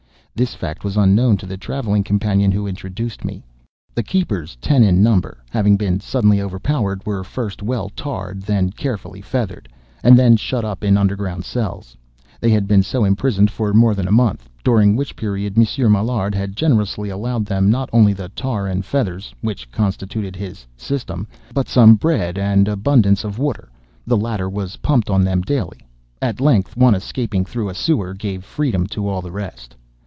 This fact was unknown to the travelling companion who introduced me. The keepers, ten in number, having been suddenly overpowered, were first well tarred, then carefully feathered, and then shut up in underground cells. They had been so imprisoned for more than a month, during which period Monsieur Maillard had generously allowed them not only the tar and feathers (which constituted his "system"), but some bread and abundance of water. The latter was pumped on them daily. At length, one escaping through a sewer, gave freedom to all the rest.